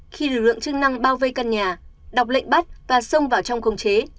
khi lực lượng chức năng bao vây căn nhà đọc lệnh bắt và xông vào trong khống chế